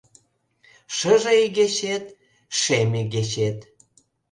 Шыже игечет — шем игечет.